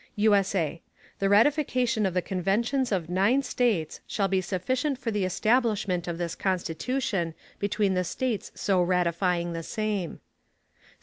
[USA] The Ratification of the Conventions of nine States, shall be sufficient for the Establishment of this Constitution between the States so ratifying the Same.